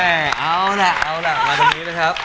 เอาล่ะเอาล่ะมาตรงนี้นะครับ